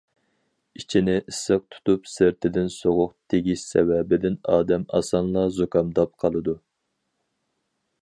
ئىچىنى ئىسسىق تۇتۇپ، سىرتىدىن سوغۇق تېگىش سەۋەبىدىن ئادەم ئاسانلا زۇكامداپ قالىدۇ.